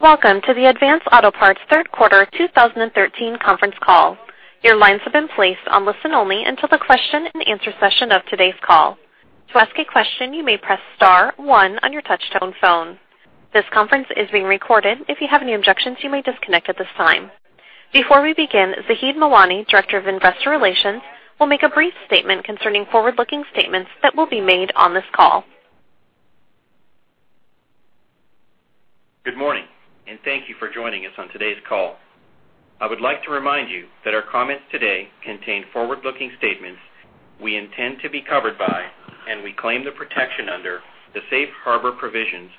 Welcome to the Advance Auto Parts third quarter 2013 conference call. Your lines have been placed on listen only until the question and answer session of today's call. To ask a question, you may press star one on your touch-tone phone. This conference is being recorded. If you have any objections, you may disconnect at this time. Before we begin, Zahid Mawani, Director of Investor Relations, will make a brief statement concerning forward-looking statements that will be made on this call. Good morning, thank you for joining us on today's call. I would like to remind you that our comments today contain forward-looking statements we intend to be covered by, and we claim the protection under, the safe harbor provisions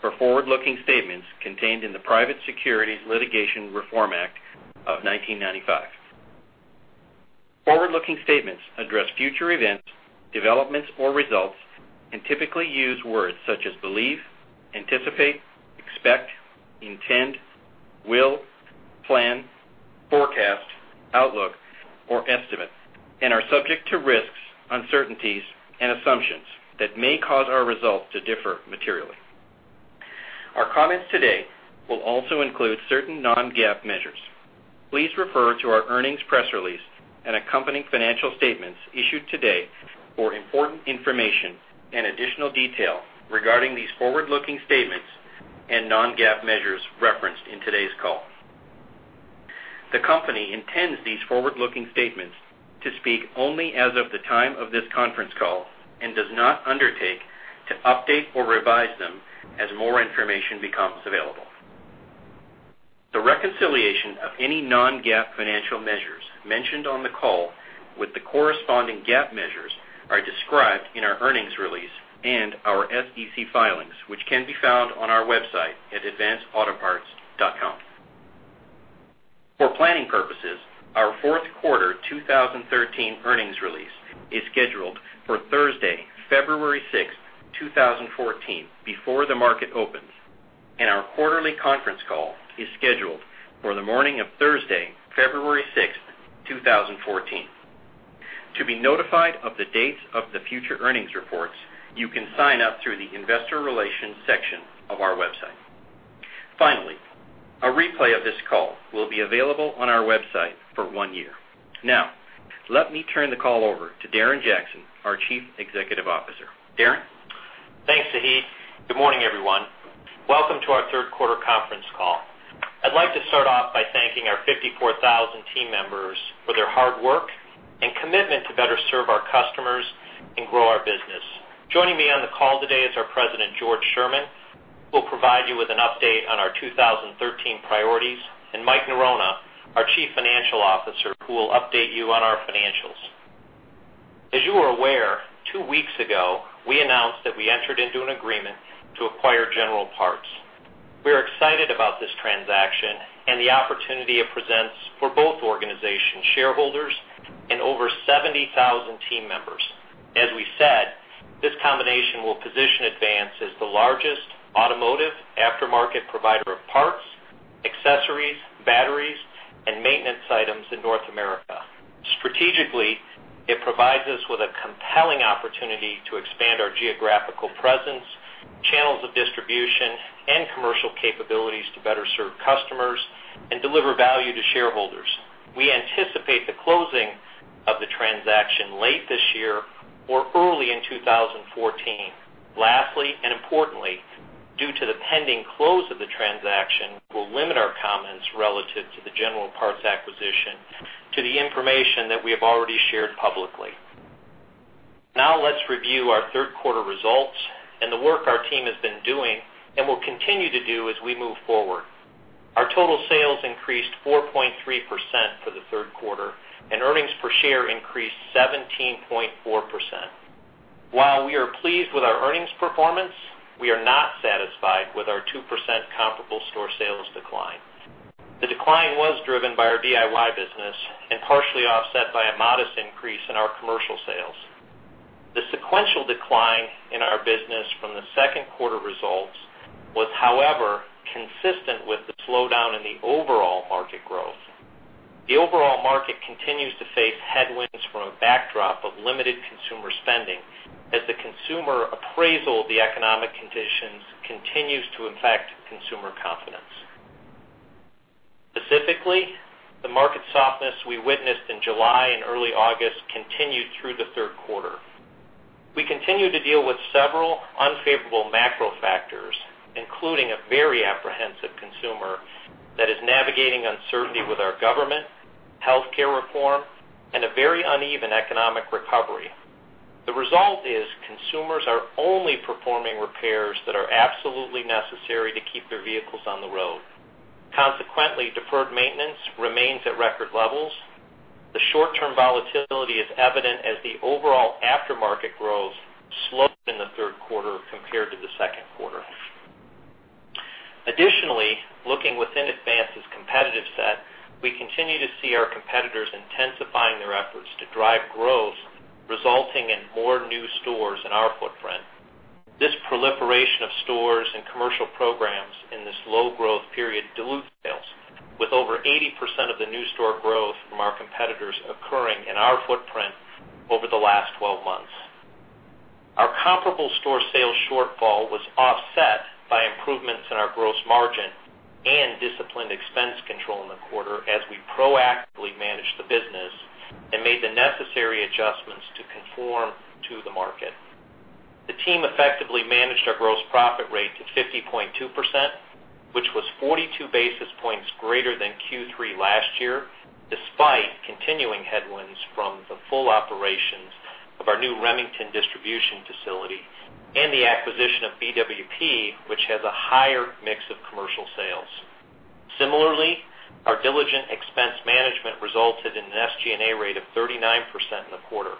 for forward-looking statements contained in the Private Securities Litigation Reform Act of 1995. Forward-looking statements address future events, developments, or results and typically use words such as believe, anticipate, expect, intend, will, plan, forecast, outlook, or estimate, and are subject to risks, uncertainties, and assumptions that may cause our results to differ materially. Our comments today will also include certain non-GAAP measures. Please refer to our earnings press release and accompanying financial statements issued today for important information and additional detail regarding these forward-looking statements and non-GAAP measures referenced in today's call. The company intends these forward-looking statements to speak only as of the time of this conference call and does not undertake to update or revise them as more information becomes available. The reconciliation of any non-GAAP financial measures mentioned on the call with the corresponding GAAP measures are described in our earnings release and our SEC filings, which can be found on our website at advanceautoparts.com. For planning purposes, our fourth quarter 2013 earnings release is scheduled for Thursday, February 6th, 2014, before the market opens, and our quarterly conference call is scheduled for the morning of Thursday, February 6th, 2014. To be notified of the dates of the future earnings reports, you can sign up through the investor relations section of our website. Finally, a replay of this call will be available on our website for one year. Let me turn the call over to Darren Jackson, our Chief Executive Officer. Darren? Thanks, Zahid. Good morning, everyone. Welcome to our third quarter conference call. I'd like to start off by thanking our 54,000 team members for their hard work and commitment to better serve our customers and grow our business. Joining me on the call today is our President, George Sherman, who will provide you with an update on our 2013 priorities, and Mike Noronha, our Chief Financial Officer, who will update you on our financials. As you are aware, 2 weeks ago, we announced that we entered into an agreement to acquire General Parts. We are excited about this transaction and the opportunity it presents for both organizations, shareholders, and over 70,000 team members. As we said, this combination will position Advance as the largest automotive aftermarket provider of parts, accessories, batteries, and maintenance items in North America. Strategically, it provides us with a compelling opportunity to expand our geographical presence, channels of distribution, and commercial capabilities to better serve customers and deliver value to shareholders. We anticipate the closing of the transaction late this year or early in 2014. Lastly, importantly, due to the pending close of the transaction, we'll limit our comments relative to the General Parts acquisition to the information that we have already shared publicly. Now let's review our third quarter results and the work our team has been doing and will continue to do as we move forward. Our total sales increased 4.3% for the third quarter, and earnings per share increased 17.4%. While we are pleased with our earnings performance, we are not satisfied with our 2% comparable store sales decline. The decline was driven by our DIY business and partially offset by a modest increase in our commercial sales. The sequential decline in our business from the second quarter results was, however, consistent with the slowdown in the overall market growth. The overall market continues to face headwinds from a backdrop of limited consumer spending as the consumer appraisal of the economic conditions continues to affect consumer confidence. Specifically, the market softness we witnessed in July and early August continued through the third quarter. We continue to deal with several unfavorable macro factors, including a very apprehensive consumer that is navigating uncertainty with our government, healthcare reform, and a very uneven economic recovery. The result is consumers are only performing repairs that are absolutely necessary to keep their vehicles on the road. Consequently, deferred maintenance remains at record levels. The short-term volatility is evident as the overall aftermarket growth slowed in the third quarter compared to the second quarter. Additionally, looking within Advance's competitive set, we continue to see our competitors intensifying their efforts to drive growth, resulting in more new stores in our footprint. This proliferation of stores and commercial programs in this low-growth period dilutes sales with over 80% of the new store growth from our competitors occurring in our footprint over the last 12 months. Our comparable store sales shortfall was offset by improvements in our gross margin and disciplined expense control in the quarter as we proactively managed the business and made the necessary adjustments to conform to the market. The team effectively managed our gross profit rate to 50.2%, which was 42 basis points greater than Q3 last year, despite continuing headwinds from the full operations of our new Remington distribution facility and the acquisition of BWP, which has a higher mix of commercial sales. Similarly, our diligent expense management resulted in an SG&A rate of 39% in the quarter.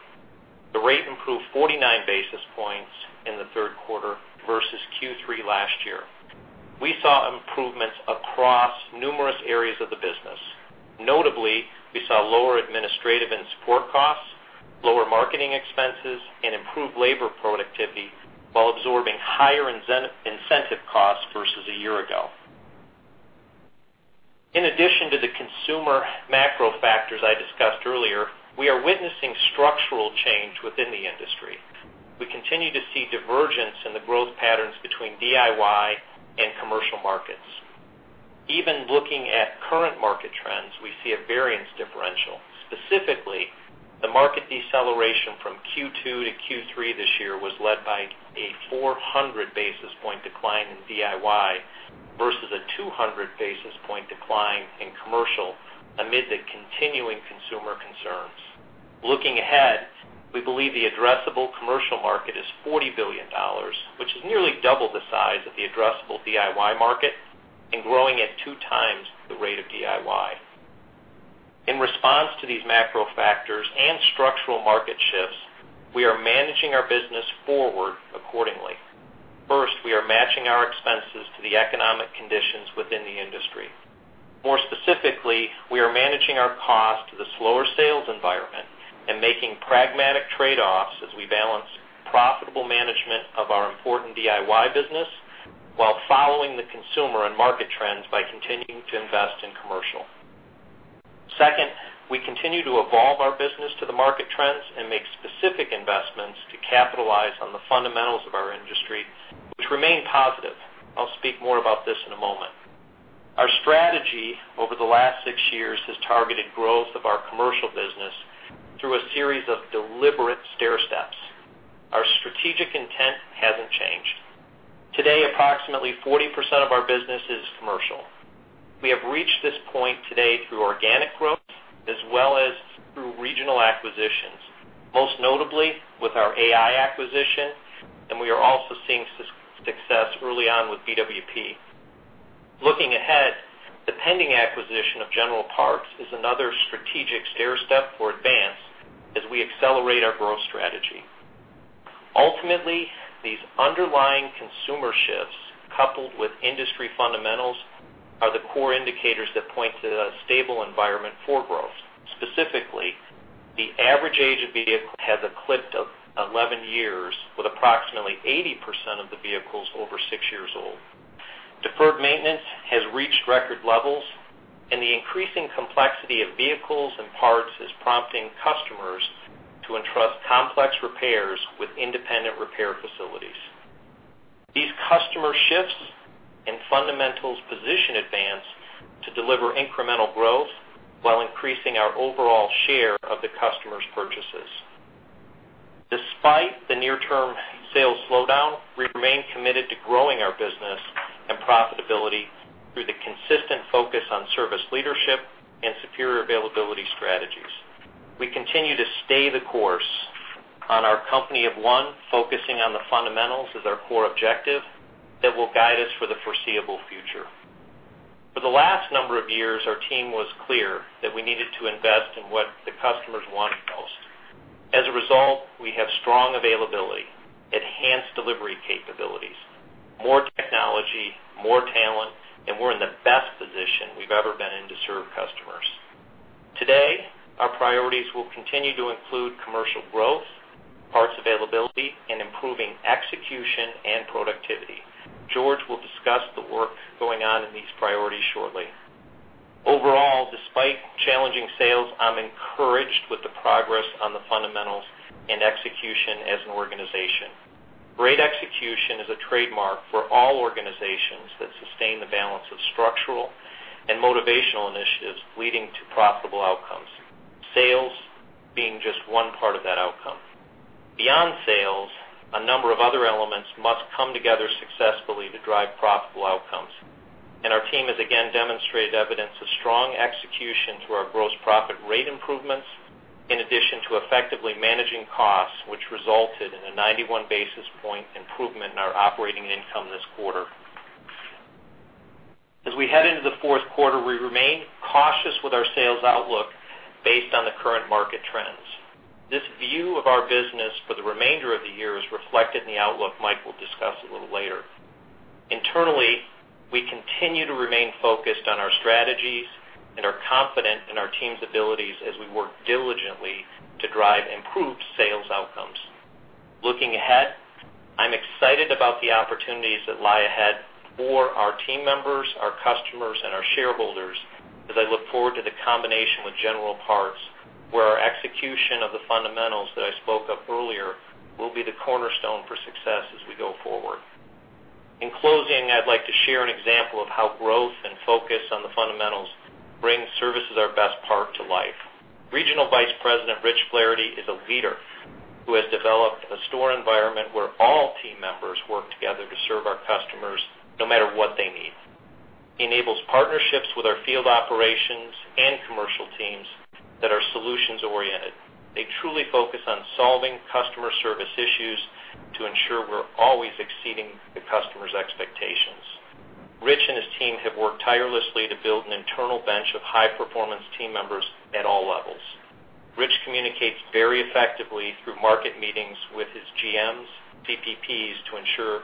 The rate improved 49 basis points in the third quarter versus Q3 last year. We saw improvements across numerous areas of the business. Notably, we saw lower administrative and support costs, lower marketing expenses, and improved labor productivity while absorbing higher incentive costs versus a year ago. In addition to the consumer macro factors I discussed earlier, we are witnessing structural change within the industry. We continue to see divergence in the growth patterns between DIY and commercial markets. Even looking at current market trends, we see a variance differential. Specifically, the market deceleration from Q2 to Q3 this year was led by a 400-basis point decline in DIY versus a 200-basis point decline in commercial amid the continuing consumer concerns. Looking ahead, we believe the addressable commercial market is $40 billion, which is nearly double the size of the addressable DIY market and growing at two times the rate of DIY. In response to these macro factors and structural market shifts, we are managing our business forward accordingly. First, we are matching our expenses to the economic conditions within the industry. More specifically, we are managing our cost to the slower sales environment and making pragmatic trade-offs as we balance profitable management of our important DIY business while following the consumer and market trends by continuing to invest in commercial. Second, we continue to evolve our business to the market trends and make specific investments to capitalize on the fundamentals of our industry, which remain positive. I'll speak more about this in a moment. Our strategy over the last six years has targeted growth of our commercial business through a series of deliberate stairsteps. Our strategic intent hasn't changed. Today, approximately 40% of our business is commercial. We have reached this point today through organic growth as well as through regional acquisitions. Most notably, with our AI acquisition, and we are also seeing success early on with BWP. Looking ahead, the pending acquisition of General Parts is another strategic stairstep for Advance as we accelerate our growth strategy. Ultimately, these underlying consumer shifts, coupled with industry fundamentals, are the core indicators that point to a stable environment for growth. Specifically, the average age of vehicle has eclipsed 11 years, with approximately 80% of the vehicles over six years old. Deferred maintenance has reached record levels, and the increasing complexity of vehicles and parts is prompting customers to entrust complex repairs with independent repair facilities. These customer shifts and fundamentals position Advance to deliver incremental growth while increasing our overall share of the customers' purchases. Despite the near-term sales slowdown, we remain committed to growing our business and profitability through the consistent focus on service leadership and superior availability strategies. We continue to stay the course on our company of one, focusing on the fundamentals as our core objective that will guide us for the foreseeable future. For the last number of years, our team was clear that we needed to invest in what the customers wanted most. As a result, we have strong availability, enhanced delivery capabilities, more technology, more talent, and we're in the best position we've ever been in to serve customers. Today, our priorities will continue to include commercial growth, parts availability, and improving execution and productivity. George will discuss the work going on in these priorities shortly. Overall, despite challenging sales, I'm encouraged with the progress on the fundamentals and execution as an organization. Great execution is a trademark for all organizations that sustain the balance of structural and motivational initiatives leading to profitable outcomes, sales being just one part of that outcome. Beyond sales, a number of other elements must come together successfully to drive profitable outcomes, and our team has again demonstrated evidence of strong execution through our gross profit rate improvements, in addition to effectively managing costs, which resulted in a 91-basis point improvement in our operating income this quarter. As we head into the fourth quarter, we remain cautious with our sales outlook based on the current market trends. This view of our business for the remainder of the year is reflected in the outlook Mike will discuss a little later. Internally, we continue to remain focused on our strategies and are confident in our team's abilities as we work diligently to drive improved sales outcomes. Looking ahead I'm excited about the opportunities that lie ahead for our team members, our customers, and our shareholders, as I look forward to the combination with General Parts, where our execution of the fundamentals that I spoke of earlier will be the cornerstone for success as we go forward. In closing, I'd like to share an example of how growth and focus on the fundamentals brings service as our best part to life. Regional Vice President, Rich Flaherty, is a leader who has developed a store environment where all team members work together to serve our customers no matter what they need. He enables partnerships with our field operations and commercial teams that are solutions-oriented. They truly focus on solving customer service issues to ensure we're always exceeding the customer's expectations. Rich and his team have worked tirelessly to build an internal bench of high-performance team members at all levels. Rich communicates very effectively through market meetings with his GMs, VPPs to ensure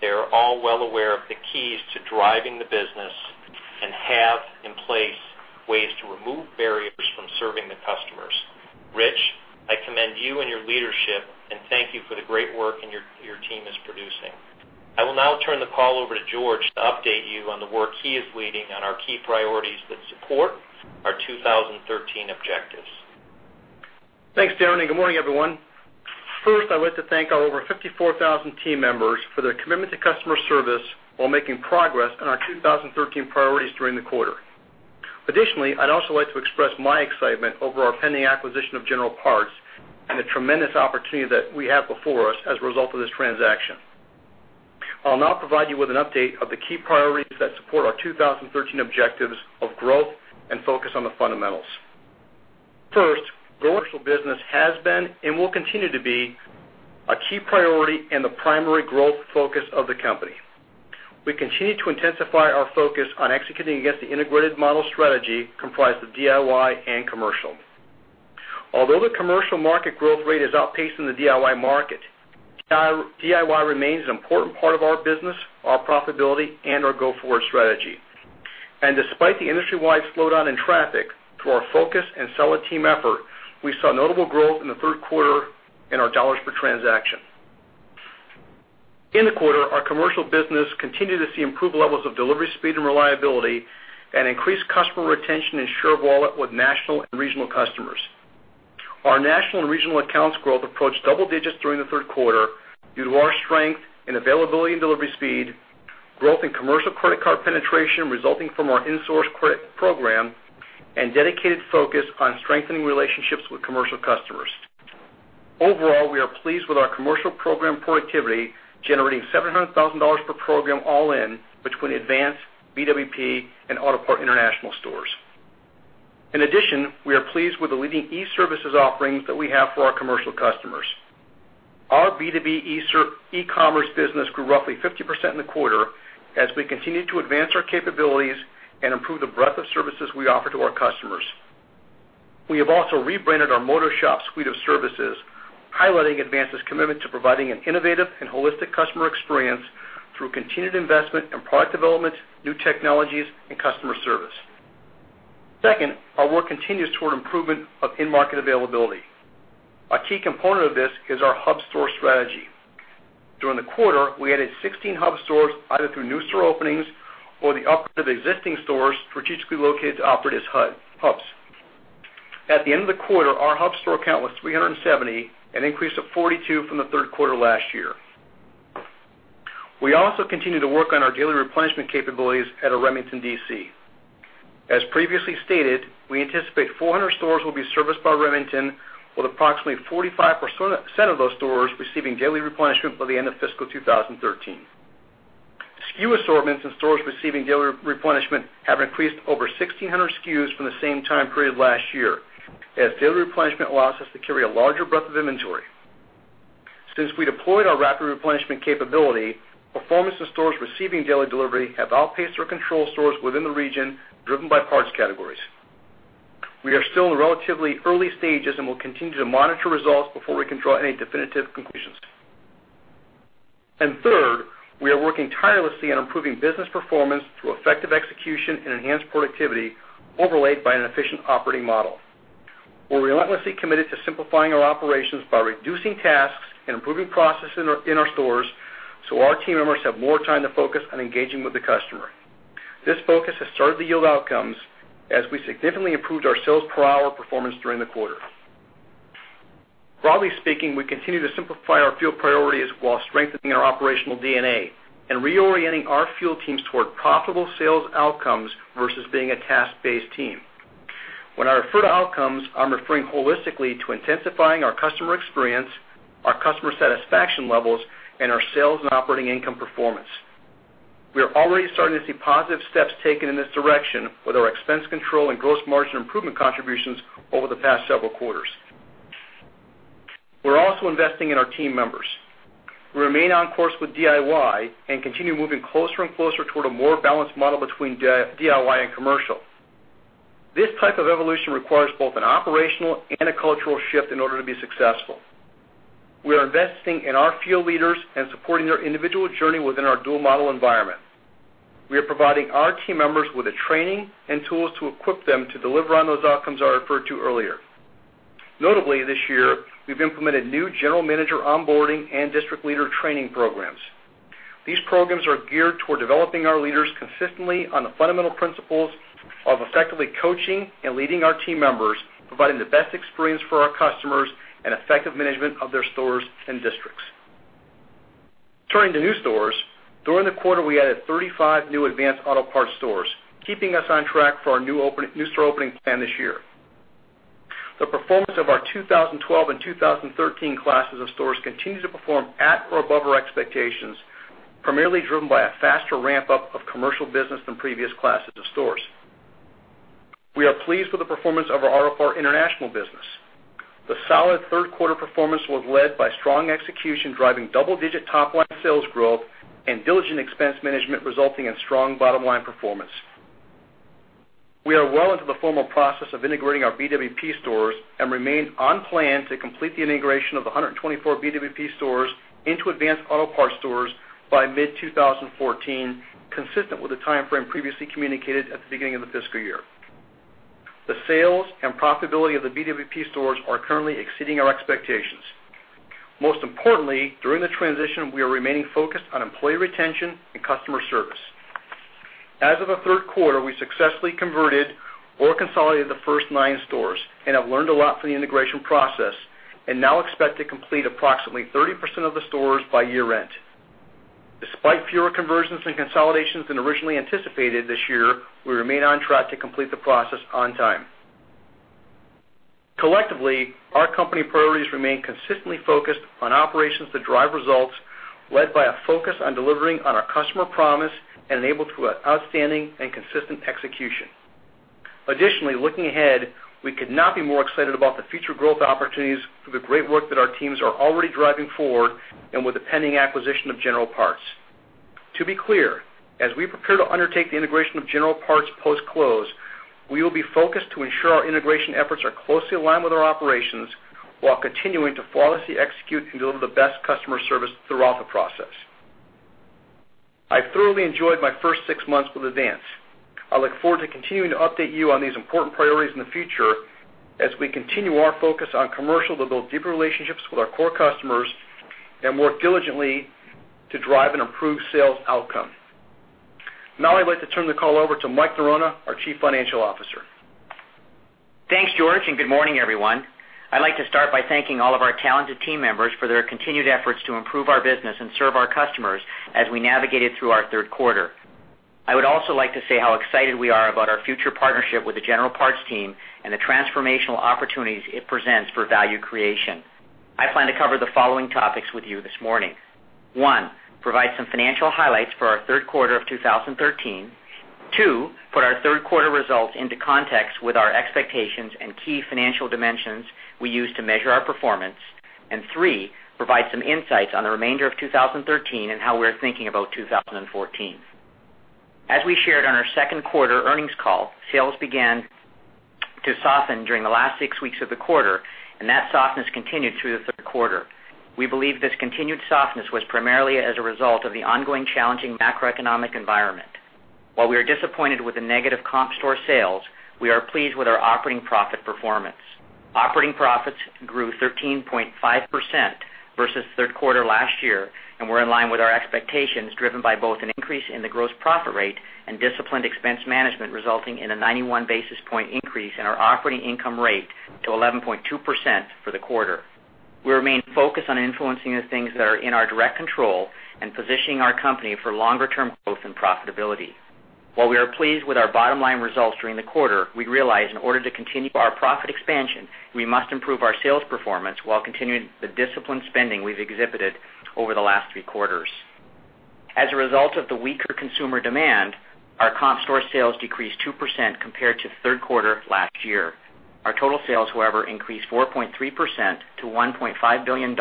they are all well aware of the keys to driving the business and have in place ways to remove barriers from serving the customers. Rich, I commend you and your leadership. Thank you for the great work your team is producing. I will now turn the call over to George to update you on the work he is leading on our key priorities that support our 2013 objectives. Thanks, Darren, and good morning, everyone. First, I would like to thank our over 54,000 team members for their commitment to customer service while making progress on our 2013 priorities during the quarter. Additionally, I'd also like to express my excitement over our pending acquisition of General Parts and the tremendous opportunity that we have before us as a result of this transaction. I'll now provide you with an update of the key priorities that support our 2013 objectives of growth and focus on the fundamentals. First, commercial business has been and will continue to be a key priority and the primary growth focus of the company. We continue to intensify our focus on executing against the integrated model strategy comprised of DIY and commercial. Although the commercial market growth rate is outpacing the DIY market, DIY remains an important part of our business, our profitability, and our go-forward strategy. Despite the industry-wide slowdown in traffic, through our focus and seller team effort, we saw notable growth in the third quarter in our dollars per transaction. In the quarter, our commercial business continued to see improved levels of delivery speed and reliability and increased customer retention and share of wallet with national and regional customers. Our national and regional accounts growth approached double digits during the third quarter due to our strength and availability in delivery speed, growth in commercial credit card penetration resulting from our in-source credit program, and dedicated focus on strengthening relationships with commercial customers. Overall, we are pleased with our commercial program productivity, generating $700,000 per program all in between Advance, BWP, and Autopart International stores. In addition, we are pleased with the leading e-services offerings that we have for our commercial customers. Our B2B e-commerce business grew roughly 50% in the quarter as we continued to advance our capabilities and improve the breadth of services we offer to our customers. We have also rebranded our MotoShop Suite of services, highlighting Advance's commitment to providing an innovative and holistic customer experience through continued investment in product development, new technologies, and customer service. Second, our work continues toward improvement of in-market availability. A key component of this is our hub store strategy. During the quarter, we added 16 hub stores, either through new store openings or the upgrade of existing stores strategically located to operate as hubs. At the end of the quarter, our hub store count was 370, an increase of 42 from the third quarter last year. We also continue to work on our daily replenishment capabilities at our Remington DC. As previously stated, we anticipate 400 stores will be serviced by Remington, with approximately 45% of those stores receiving daily replenishment by the end of fiscal 2013. SKU assortments in stores receiving daily replenishment have increased over 1,600 SKUs from the same time period last year, as daily replenishment allows us to carry a larger breadth of inventory. Since we deployed our rapid replenishment capability, performance in stores receiving daily delivery have outpaced our control stores within the region, driven by parts categories. We are still in the relatively early stages and will continue to monitor results before we can draw any definitive conclusions. Third, we are working tirelessly on improving business performance through effective execution and enhanced productivity overlaid by an efficient operating model. We're relentlessly committed to simplifying our operations by reducing tasks and improving processes in our stores so our team members have more time to focus on engaging with the customer. This focus has started to yield outcomes as we significantly improved our sales per hour performance during the quarter. Broadly speaking, we continue to simplify our field priorities while strengthening our operational DNA and reorienting our field teams toward profitable sales outcomes versus being a task-based team. When I refer to outcomes, I'm referring holistically to intensifying our customer experience, our customer satisfaction levels, and our sales and operating income performance. We are already starting to see positive steps taken in this direction with our expense control and gross margin improvement contributions over the past several quarters. We're also investing in our team members. We remain on course with DIY and continue moving closer and closer toward a more balanced model between DIY and commercial. This type of evolution requires both an operational and a cultural shift in order to be successful. We are investing in our field leaders and supporting their individual journey within our dual model environment. We are providing our team members with the training and tools to equip them to deliver on those outcomes I referred to earlier. Notably, this year, we've implemented new general manager onboarding and district leader training programs. These programs are geared toward developing our leaders consistently on the fundamental principles of effectively coaching and leading our team members, providing the best experience for our customers, and effective management of their stores and districts. Turning to new stores, during the quarter, we added 35 new Advance Auto Parts stores, keeping us on track for our new store opening plan this year. The performance of our 2012 and 2013 classes of stores continues to perform at or above our expectations, primarily driven by a faster ramp-up of commercial business than previous classes of stores. We are pleased with the performance of our Autopart International business. The solid third-quarter performance was led by strong execution, driving double-digit top-line sales growth and diligent expense management, resulting in strong bottom-line performance. We are well into the formal process of integrating our BWP stores and remain on plan to complete the integration of 124 BWP stores into Advance Auto Parts stores by mid-2014, consistent with the timeframe previously communicated at the beginning of the fiscal year. The sales and profitability of the BWP stores are currently exceeding our expectations. Most importantly, during the transition, we are remaining focused on employee retention and customer service. As of the third quarter, we successfully converted or consolidated the first nine stores and have learned a lot from the integration process and now expect to complete approximately 30% of the stores by year-end. Despite fewer conversions and consolidations than originally anticipated this year, we remain on track to complete the process on time. Collectively, our company priorities remain consistently focused on operations that drive results, led by a focus on delivering on our customer promise and enabled through outstanding and consistent execution. Looking ahead, we could not be more excited about the future growth opportunities through the great work that our teams are already driving forward and with the pending acquisition of General Parts. To be clear, as we prepare to undertake the integration of General Parts post-close, we will be focused to ensure our integration efforts are closely aligned with our operations while continuing to flawlessly execute and deliver the best customer service throughout the process. I thoroughly enjoyed my first six months with Advance. I look forward to continuing to update you on these important priorities in the future as we continue our focus on commercial to build deeper relationships with our core customers and work diligently to drive an improved sales outcome. I'd like to turn the call over to Mike Norona, our Chief Financial Officer. Thanks, George, and good morning, everyone. I'd like to start by thanking all of our talented team members for their continued efforts to improve our business and serve our customers as we navigated through our third quarter. I would also like to say how excited we are about our future partnership with the General Parts team and the transformational opportunities it presents for value creation. I plan to cover the following topics with you this morning. One, provide some financial highlights for our third quarter of 2013. Two, put our third quarter results into context with our expectations and key financial dimensions we use to measure our performance. Three, provide some insights on the remainder of 2013 and how we're thinking about 2014. As we shared on our second quarter earnings call, sales began to soften during the last six weeks of the quarter, and that softness continued through the third quarter. We believe this continued softness was primarily as a result of the ongoing challenging macroeconomic environment. While we are disappointed with the negative comp store sales, we are pleased with our operating profit performance. Operating profits grew 13.5% versus the third quarter last year and were in line with our expectations, driven by both an increase in the gross profit rate and disciplined expense management, resulting in a 91-basis-point increase in our operating income rate to 11.2% for the quarter. We remain focused on influencing the things that are in our direct control and positioning our company for longer-term growth and profitability. While we are pleased with our bottom-line results during the quarter, we realize in order to continue our profit expansion, we must improve our sales performance while continuing the disciplined spending we've exhibited over the last three quarters. As a result of the weaker consumer demand, our comp store sales decreased 2% compared to the third quarter of last year. Our total sales, however, increased 4.3% to $1.5 billion,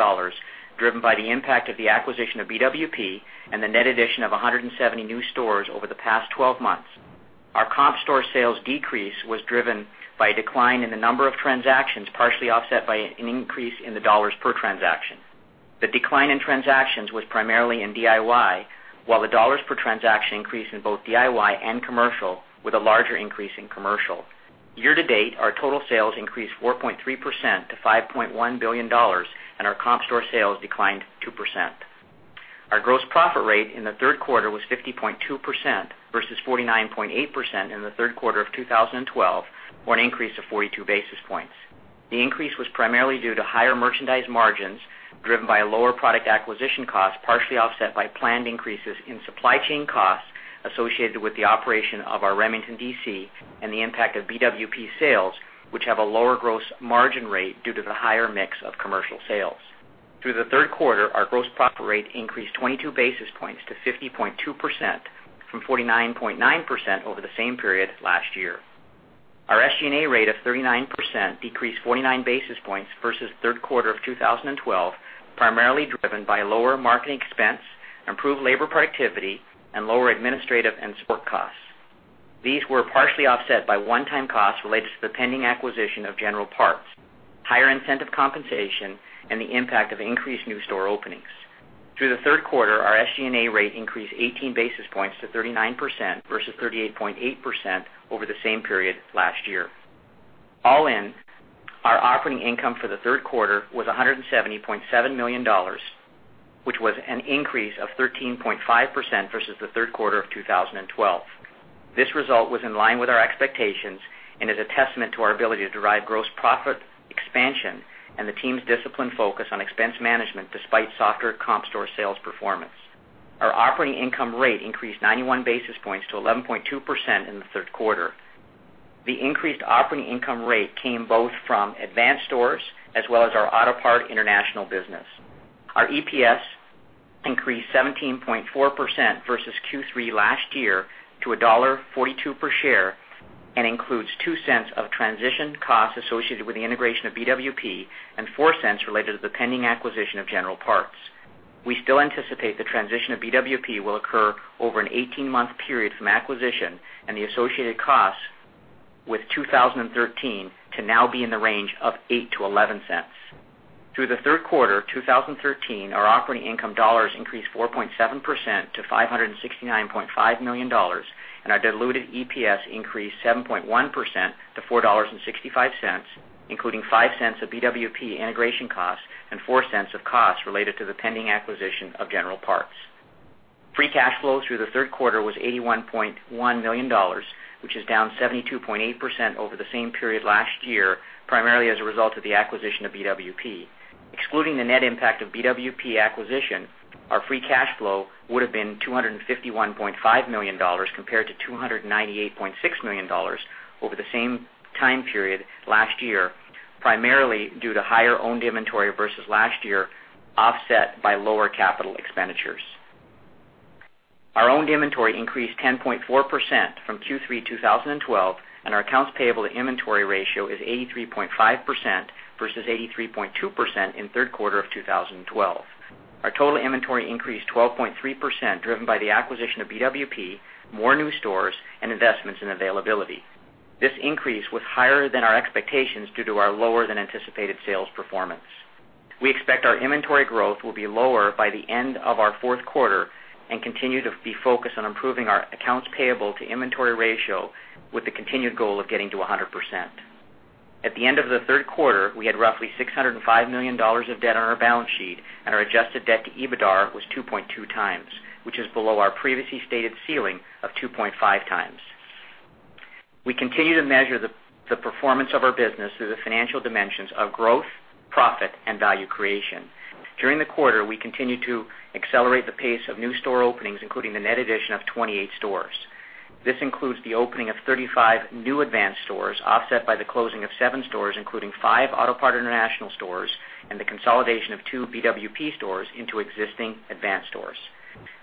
driven by the impact of the acquisition of BWP and the net addition of 170 new stores over the past 12 months. Our comp store sales decrease was driven by a decline in the number of transactions, partially offset by an increase in the dollars per transaction. The decline in transactions was primarily in DIY, while the dollars per transaction increased in both DIY and commercial, with a larger increase in commercial. Year-to-date, our total sales increased 4.3% to $5.1 billion, our comp store sales declined 2%. Our gross profit rate in the third quarter was 50.2% versus 49.8% in the third quarter of 2012, or an increase of 42 basis points. The increase was primarily due to higher merchandise margins driven by a lower product acquisition cost, partially offset by planned increases in supply chain costs associated with the operation of our Remington DC and the impact of BWP sales, which have a lower gross margin rate due to the higher mix of commercial sales. Through the third quarter, our gross profit rate increased 22 basis points to 50.2%, from 49.9% over the same period last year. Our SG&A rate of 39% decreased 49 basis points versus the third quarter of 2012, primarily driven by lower marketing expense, improved labor productivity, and lower administrative and support costs. These were partially offset by one-time costs related to the pending acquisition of General Parts, higher incentive compensation, and the impact of increased new store openings. Through the third quarter, our SG&A rate increased 18 basis points to 39% versus 38.8% over the same period last year. All in, our operating income for the third quarter was $170.7 million, which was an increase of 13.5% versus the third quarter of 2012. This result was in line with our expectations and is a testament to our ability to derive gross profit expansion and the team's disciplined focus on expense management despite softer comp store sales performance. Our operating income rate increased 91 basis points to 11.2% in the third quarter. The increased operating income rate came both from Advance stores as well as our Autopart International business. Our EPS increased 17.4% versus Q3 last year to $1.42 per share and includes $0.02 of transition costs associated with the integration of BWP and $0.04 related to the pending acquisition of General Parts. We still anticipate the transition of BWP will occur over an 18-month period from acquisition and the associated costs with 2013 to now be in the range of $0.08-$0.11. Through the third quarter 2013, our operating income dollars increased 4.7% to $569.5 million, and our diluted EPS increased 7.1% to $4.65, including $0.05 of BWP integration costs and $0.04 of costs related to the pending acquisition of General Parts. Free cash flow through the third quarter was $81.1 million, which is down 72.8% over the same period last year, primarily as a result of the acquisition of BWP. Excluding the net impact of BWP acquisition, our free cash flow would have been $251.5 million compared to $298.6 million over the same time period last year, primarily due to higher owned inventory versus last year, offset by lower capital expenditures. Our owned inventory increased 10.4% from Q3 2012, and our accounts payable to inventory ratio is 83.5% versus 83.2% in third quarter of 2012. Our total inventory increased 12.3%, driven by the acquisition of BWP, more new stores, and investments in availability. This increase was higher than our expectations due to our lower than anticipated sales performance. We expect our inventory growth will be lower by the end of our fourth quarter and continue to be focused on improving our accounts payable to inventory ratio with the continued goal of getting to 100%. At the end of the third quarter, we had roughly $605 million of debt on our balance sheet, and our adjusted debt to EBITDAR was 2.2 times, which is below our previously stated ceiling of 2.5 times. We continue to measure the performance of our business through the financial dimensions of growth, profit and value creation. During the quarter, we continued to accelerate the pace of new store openings, including the net addition of 28 stores. This includes the opening of 35 new Advance stores, offset by the closing of seven stores, including five Autopart International stores and the consolidation of two BWP stores into existing Advance stores.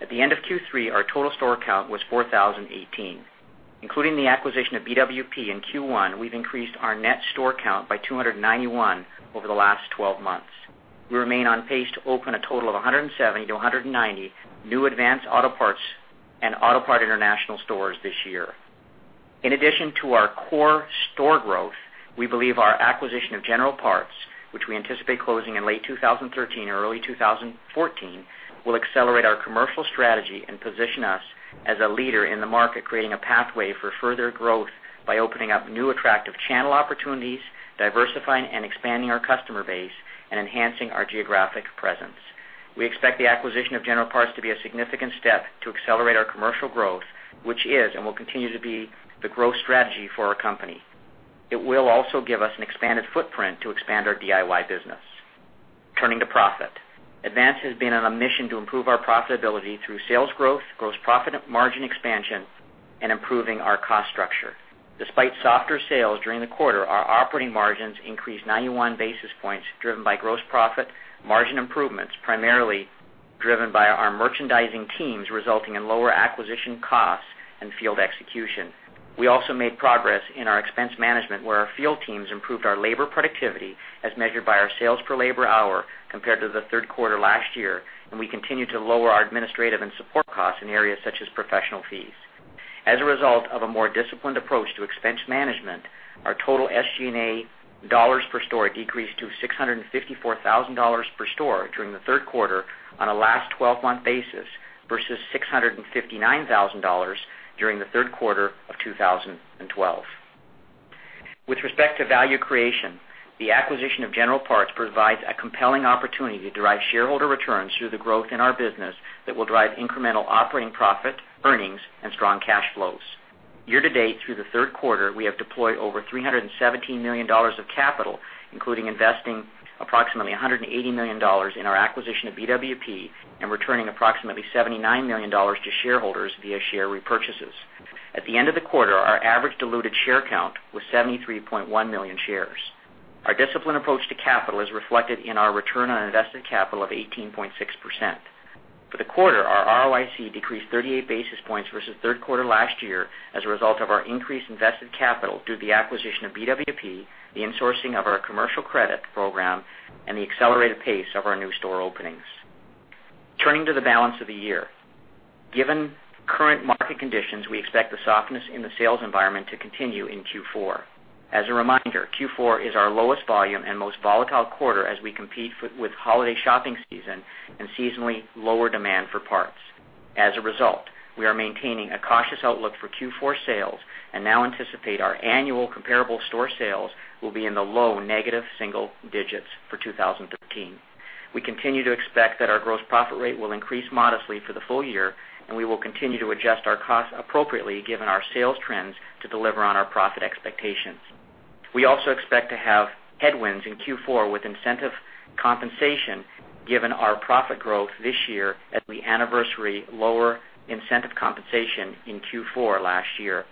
At the end of Q3, our total store count was 4,018. Including the acquisition of BWP in Q1, we've increased our net store count by 291 over the last 12 months. We remain on pace to open a total of 170-190 new Advance Auto Parts and Autopart International stores this year. In addition to our core store growth, we believe our acquisition of General Parts, which we anticipate closing in late 2013 or early 2014, will accelerate our commercial strategy and position us as a leader in the market, creating a pathway for further growth by opening up new attractive channel opportunities, diversifying and expanding our customer base, and enhancing our geographic presence. We expect the acquisition of General Parts to be a significant step to accelerate our commercial growth, which is and will continue to be the growth strategy for our company. It will also give us an expanded footprint to expand our DIY business. Turning to profit. Advance has been on a mission to improve our profitability through sales growth, gross profit margin expansion, and improving our cost structure. Despite softer sales during the quarter, our operating margins increased 91 basis points, driven by gross profit margin improvements, primarily driven by our merchandising teams, resulting in lower acquisition costs and field execution. We also made progress in our expense management, where our field teams improved our labor productivity as measured by our sales per labor hour compared to the third quarter last year, and we continue to lower our administrative and support costs in areas such as professional fees. As a result of a more disciplined approach to expense management, our total SG&A dollars per store decreased to $654,000 per store during the third quarter on a last 12-month basis versus $659,000 during the third quarter of 2012. With respect to value creation, the acquisition of General Parts provides a compelling opportunity to derive shareholder returns through the growth in our business that will drive incremental operating profit, earnings, and strong cash flows. Year to date, through the third quarter, we have deployed over $317 million of capital, including investing approximately $180 million in our acquisition of BWP and returning approximately $79 million to shareholders via share repurchases. At the end of the quarter, our average diluted share count was 73.1 million shares. Our disciplined approach to capital is reflected in our return on invested capital of 18.6%. For the quarter, our ROIC decreased 38 basis points versus third quarter last year as a result of our increased invested capital due to the acquisition of BWP, the insourcing of our commercial credit program, and the accelerated pace of our new store openings. Turning to the balance of the year. Given current market conditions, we expect the softness in the sales environment to continue in Q4. As a reminder, Q4 is our lowest volume and most volatile quarter as we compete with holiday shopping season and seasonally lower demand for parts. As a result, we are maintaining a cautious outlook for Q4 sales and now anticipate our annual comparable store sales will be in the low-negative single digits for 2013. We continue to expect that our gross profit rate will increase modestly for the full year, and we will continue to adjust our costs appropriately given our sales trends to deliver on our profit expectations. We also expect to have headwinds in Q4 with incentive compensation given our profit growth this year as we anniversary lower incentive compensation in Q4 last year.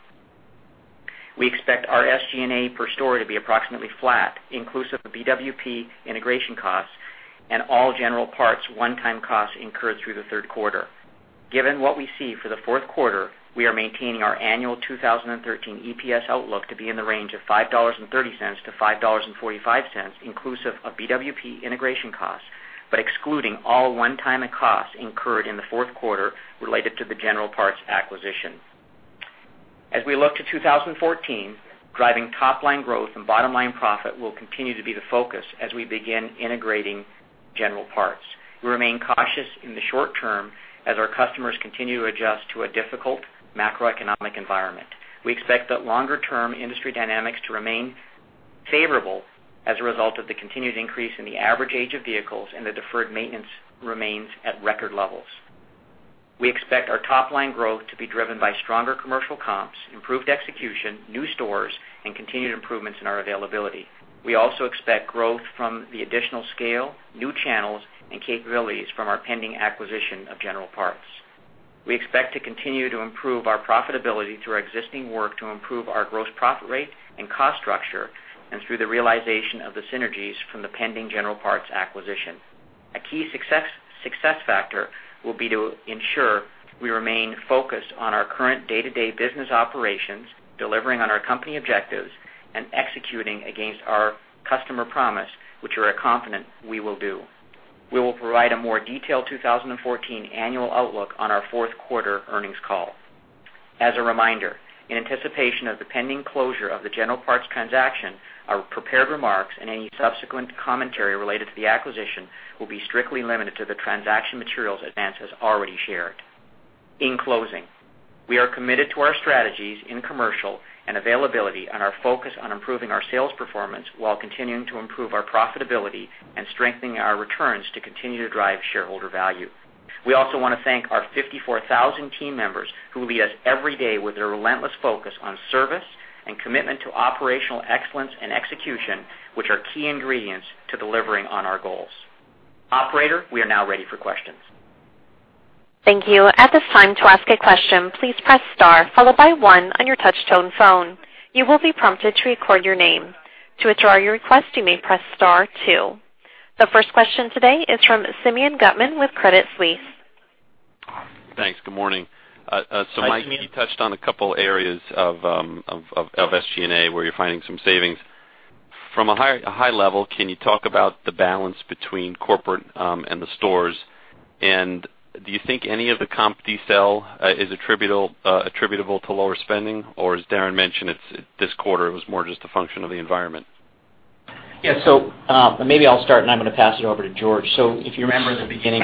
We expect our SG&A per store to be approximately flat inclusive of BWP integration costs and all General Parts one-time costs incurred through the third quarter. Given what we see for the fourth quarter, we are maintaining our annual 2013 EPS outlook to be in the range of $5.30-$5.45 inclusive of BWP integration costs, but excluding all one-time costs incurred in the fourth quarter related to the General Parts acquisition. As we look to 2014, driving top-line growth and bottom-line profit will continue to be the focus as we begin integrating General Parts. We remain cautious in the short term as our customers continue to adjust to a difficult macroeconomic environment. We expect that longer-term industry dynamics to remain favorable as a result of the continued increase in the average age of vehicles and the deferred maintenance remains at record levels. We expect our top-line growth to be driven by stronger commercial comps, improved execution, new stores, and continued improvements in our availability. We also expect growth from the additional scale, new channels, and capabilities from our pending acquisition of General Parts. We expect to continue to improve our profitability through our existing work to improve our gross profit rate and cost structure and through the realization of the synergies from the pending General Parts acquisition. A key success factor will be to ensure we remain focused on our current day-to-day business operations, delivering on our company objectives, and executing against our customer promise, which we are confident we will do. We will provide a more detailed 2014 annual outlook on our fourth quarter earnings call. As a reminder, in anticipation of the pending closure of the General Parts transaction, our prepared remarks and any subsequent commentary related to the acquisition will be strictly limited to the transaction materials Advance has already shared. In closing, we are committed to our strategies in commercial and availability and our focus on improving our sales performance while continuing to improve our profitability and strengthening our returns to continue to drive shareholder value. We also want to thank our 54,000 team members who lead us every day with their relentless focus on service and commitment to operational excellence and execution, which are key ingredients to delivering on our goals. Operator, we are now ready for questions. Thank you. At this time, to ask a question, please press star followed by one on your touch-tone phone. You will be prompted to record your name. To withdraw your request, you may press star two. The first question today is from Simeon Gutman with Credit Suisse. Thanks. Good morning. Hi, Simeon. Mike, you touched on a couple areas of SG&A where you're finding some savings. From a high level, can you talk about the balance between corporate and the stores? Do you think any of the comp decel is attributable to lower spending? As Darren mentioned, this quarter was more just a function of the environment? Maybe I'll start, and I'm going to pass it over to George. If you remember at the beginning,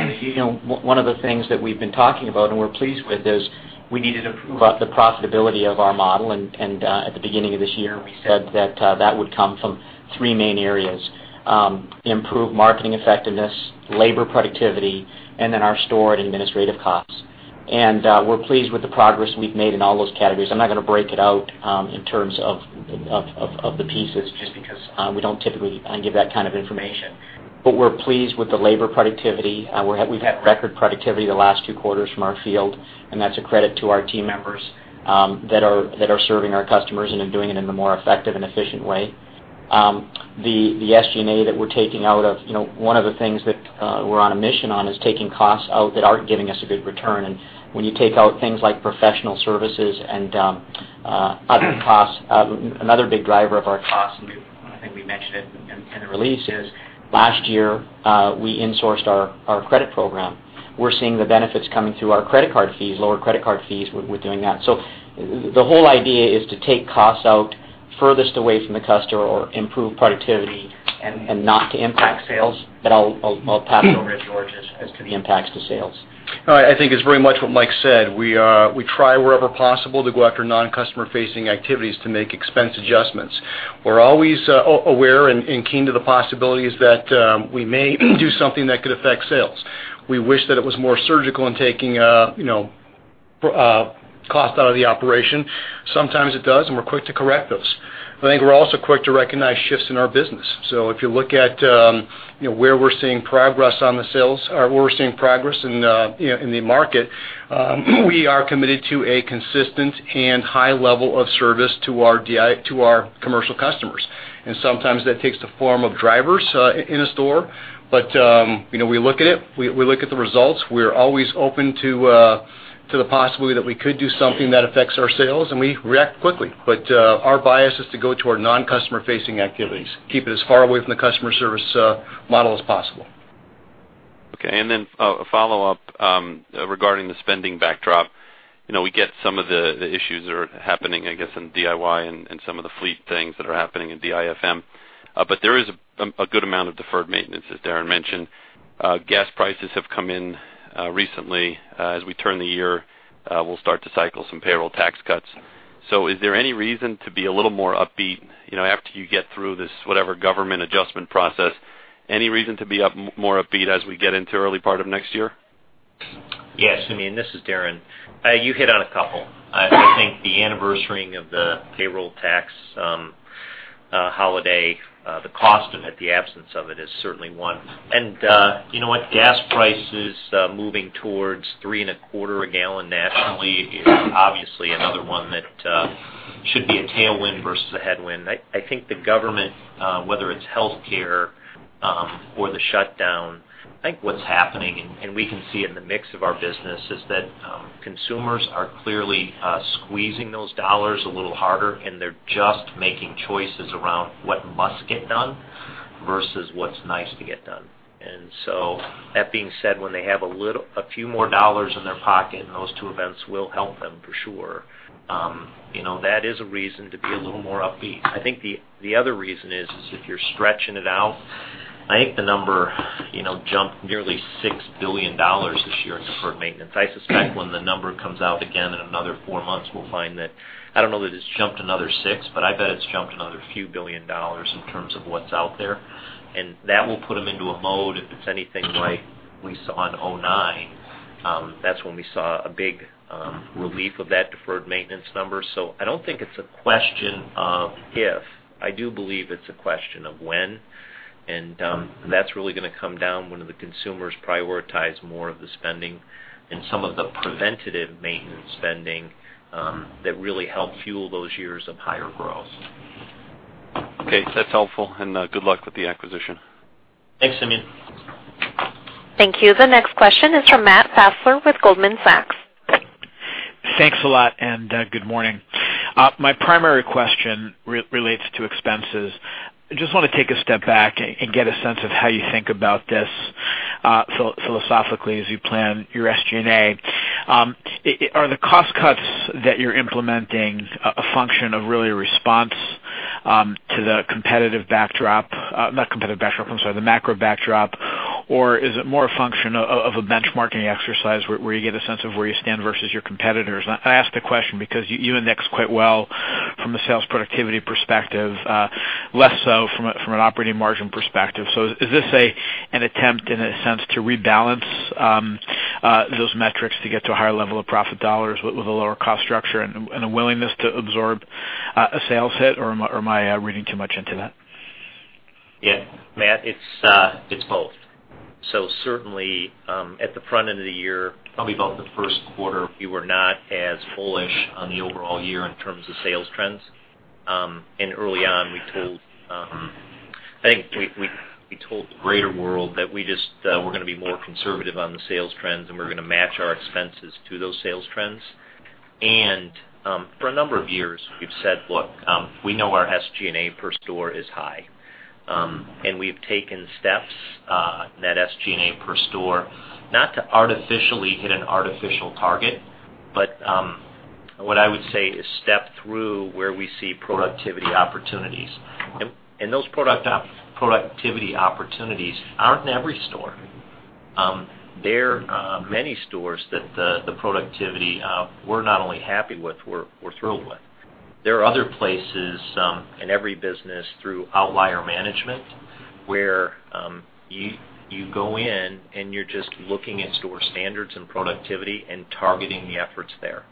one of the things that we've been talking about and we're pleased with is we needed to improve the profitability of our model. At the beginning of this year, we said that that would come from three main areas: improved marketing effectiveness, labor productivity, and then our store and administrative costs. We're pleased with the progress we've made in all those categories. I'm not going to break it out in terms of the pieces just because we don't typically give that kind of information. We're pleased with the labor productivity. We've had record productivity the last two quarters from our field, and that's a credit to our team members that are serving our customers and are doing it in a more effective and efficient way. One of the things that we're on a mission on is taking costs out that aren't giving us a good return, and when you take out things like professional services and other costs, another big driver of our costs, and I think we mentioned it in the release, is last year, we insourced our credit program. We're seeing the benefits coming through our credit card fees, lower credit card fees with doing that. The whole idea is to take costs out furthest away from the customer or improve productivity and not to impact sales. I'll pass it over to George as to the impacts to sales. No, I think it's very much what Mike said. We try wherever possible to go after non-customer-facing activities to make expense adjustments. We're always aware and keen to the possibilities that we may do something that could affect sales. We wish that it was more surgical in taking cost out of the operation. Sometimes it does, and we're quick to correct those. I think we're also quick to recognize shifts in our business. If you look at where we're seeing progress in the market, we are committed to a consistent and high level of service to our commercial customers, and sometimes that takes the form of drivers in a store. We look at it, we look at the results. We're always open to the possibility that we could do something that affects our sales, and we react quickly. Our bias is to go to our non-customer-facing activities, keep it as far away from the customer service model as possible. Okay. A follow-up regarding the spending backdrop. We get some of the issues that are happening, I guess, in DIY and some of the fleet things that are happening in DIFM. There is a good amount of deferred maintenance, as Darren mentioned. Gas prices have come in recently. As we turn the year, we'll start to cycle some payroll tax cuts. Is there any reason to be a little more upbeat, after you get through this, whatever government adjustment process, any reason to be more upbeat as we get into early part of next year? Yes. I mean, this is Darren. You hit on a couple. I think the anniversarying of the payroll tax holiday, the cost of it, the absence of it, is certainly one. You know what? Gas prices moving towards three and a quarter a gallon nationally is obviously another one that should be a tailwind versus a headwind. I think the government, whether it's healthcare or the shutdown, I think what's happening, and we can see it in the mix of our business, is that consumers are clearly squeezing those dollars a little harder, and they're just making choices around what must get done versus what's nice to get done. That being said, when they have a few more dollars in their pocket, and those two events will help them for sure. That is a reason to be a little more upbeat. I think the other reason is, if you're stretching it out, I think the number jumped nearly $6 billion this year in deferred maintenance. I suspect when the number comes out again in another four months, we'll find that, I don't know that it's jumped another six, but I bet it's jumped another few billion dollars in terms of what's out there. That will put them into a mode, if it's anything like we saw in 2009. That's when we saw a big relief of that deferred maintenance number. I don't think it's a question of if. I do believe it's a question of when, and that's really going to come down when the consumers prioritize more of the spending and some of the preventative maintenance spending that really helped fuel those years of higher growth. Okay. That's helpful and good luck with the acquisition. Thanks, Simeon. Thank you. The next question is from Matt Fassler with Goldman Sachs. Thanks a lot, and good morning. My primary question relates to expenses. Just want to take a step back and get a sense of how you think about this philosophically as you plan your SG&A. Are the cost cuts that you're implementing a function of really a response to the macro backdrop, or is it more a function of a benchmarking exercise where you get a sense of where you stand versus your competitors? I ask the question because you index quite well from a sales productivity perspective, less so from an operating margin perspective. Is this an attempt, in a sense, to rebalance those metrics to get to a higher level of profit dollars with a lower cost structure and a willingness to absorb a sales hit, or am I reading too much into that? Yeah, Matt, it's both. Certainly, at the front end of the year, probably about the first quarter, we were not as bullish on the overall year in terms of sales trends. Early on, I think we told the greater world that we're going to be more conservative on the sales trends, and we're going to match our expenses to those sales trends. For a number of years, we've said, "Look, we know our SG&A per store is high." We've taken steps in that SG&A per store, not to artificially hit an artificial target, but what I would say is step through where we see productivity opportunities. Those productivity opportunities aren't in every store. There are many stores that the productivity, we're not only happy with, we're thrilled with. There are other places in every business through outlier management, where you go in and you're just looking at store standards and productivity and targeting the efforts there.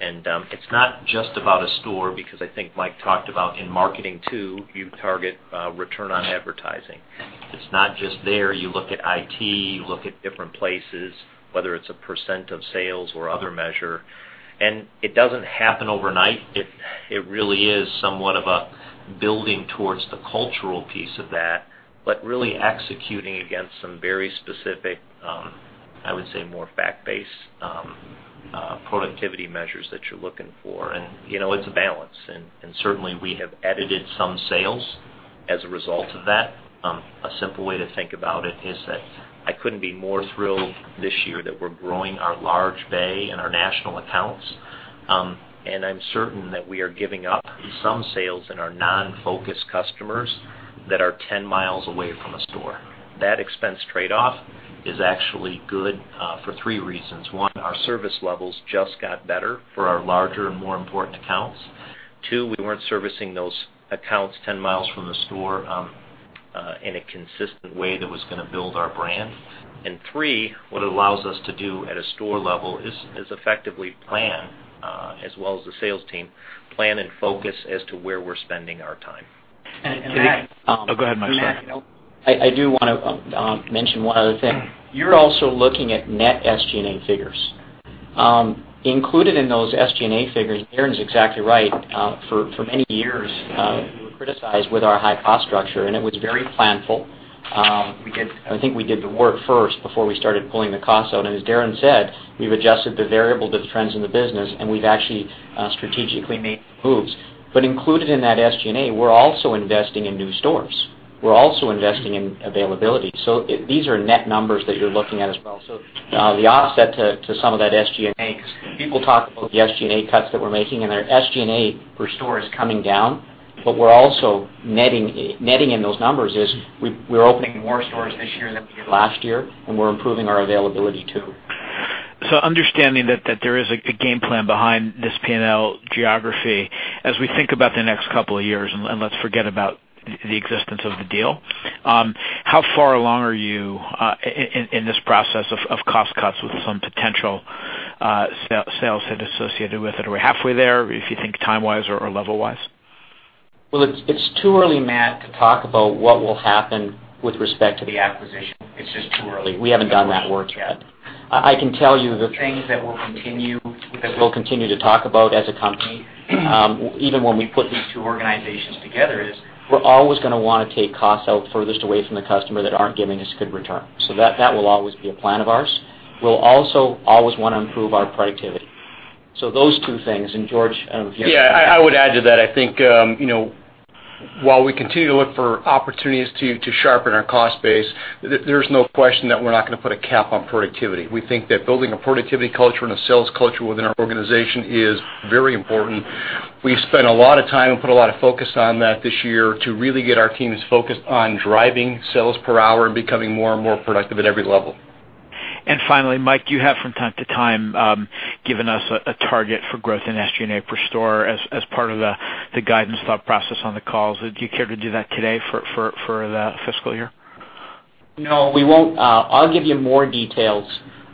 It's not just about a store because I think Mike talked about in marketing too, you target return on advertising. It's not just there. You look at IT, you look at different places, whether it's a % of sales or other measure. It doesn't happen overnight. It really is somewhat of a building towards the cultural piece of that, but really executing against some very specific, I would say more fact-based productivity measures that you're looking for. It's a balance. Certainly, we have edited some sales as a result of that. A simple way to think about it is that I couldn't be more thrilled this year that we're growing our large bay and our national accounts. I'm certain that we are giving up some sales in our non-focus customers that are 10 miles away from a store. That expense trade-off is actually good for three reasons. One, our service levels just got better for our larger and more important accounts. Two, we weren't servicing those accounts 10 miles from the store in a consistent way that was going to build our brand. Three, what it allows us to do at a store level is effectively plan, as well as the sales team, plan and focus as to where we're spending our time. Mike- Go ahead, Mike, sorry. I do want to mention one other thing. You're also looking at net SG&A figures. Included in those SG&A figures, Darren's exactly right. For many years, we were criticized with our high cost structure, and it was very planful. I think we did the work first before we started pulling the costs out. As Darren said, we've adjusted the variable to the trends in the business, and we've actually strategically made moves. Included in that SG&A, we're also investing in new stores. We're also investing in availability. These are net numbers that you're looking at as well. The offset to some of that SG&A, because people talk about the SG&A cuts that we're making, and our SG&A per store is coming down, but we're also netting in those numbers is we're opening more stores this year than we did last year, and we're improving our availability too. Understanding that there is a game plan behind this P&L geography, as we think about the next couple of years, and let's forget about the existence of the deal, how far along are you in this process of cost cuts with some potential sales hit associated with it? Are we halfway there, if you think time-wise or level-wise? Well, it's too early, Matt, to talk about what will happen with respect to the acquisition. It's just too early. We haven't done that work yet. I can tell you the things that we'll continue to talk about as a company, even when we put these two organizations together, is we're always going to want to take costs out furthest away from the customer that aren't giving us good return. That will always be a plan of ours. We'll also always want to improve our productivity. Those two things. George- Yeah, I would add to that. I think while we continue to look for opportunities to sharpen our cost base, there's no question that we're not going to put a cap on productivity. We think that building a productivity culture and a sales culture within our organization is very important. We've spent a lot of time and put a lot of focus on that this year to really get our teams focused on driving sales per hour and becoming more and more productive at every level. Finally, Mike, you have from time to time, given us a target for growth in SG&A per store as part of the guidance thought process on the calls. Do you care to do that today for the fiscal year? No, we won't. I'll give you more details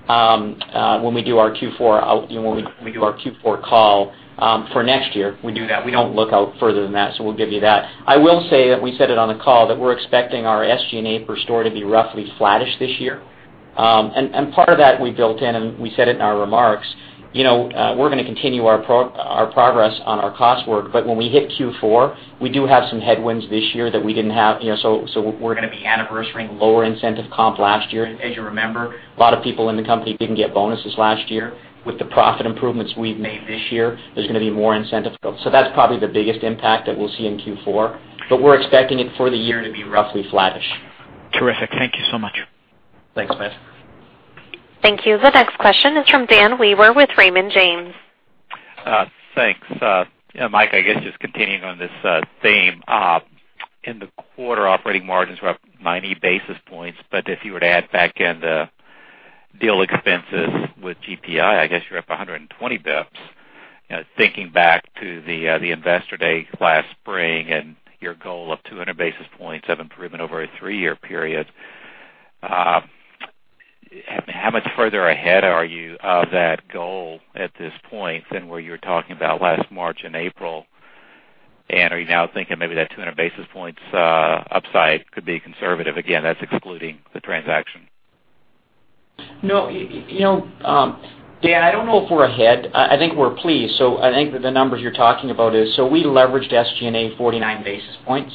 when we do our Q4 call for next year. We do that. We don't look out further than that, so we'll give you that. I will say that we said it on the call, that we're expecting our SG&A per store to be roughly flattish this year. Part of that we built in, and we said it in our remarks. We're going to continue our progress on our cost work, but when we hit Q4, we do have some headwinds this year that we didn't have. We're going to be anniversarying lower incentive comp last year. As you remember, a lot of people in the company didn't get bonuses last year. With the profit improvements we've made this year, there's going to be more incentive. That's probably the biggest impact that we'll see in Q4, but we're expecting it for the year to be roughly flattish. Terrific. Thank you so much. Thanks, Matt. Thank you. The next question is from Dan Wewer with Raymond James. Thanks. Mike, I guess just continuing on this theme. In the quarter operating margins were up 90 basis points, but if you were to add back in the deal expenses with GPI, I guess you're up 120 basis points. Thinking back to the investor day last spring and your goal of 200 basis points of improvement over a three-year period, how much further ahead are you of that goal at this point than where you were talking about last March and April? Are you now thinking maybe that 200 basis points upside could be conservative again, that's excluding the transaction? No, Dan, I don't know if we're ahead. I think we're pleased. I think that the numbers you're talking about is, so we leveraged SG&A 49 basis points.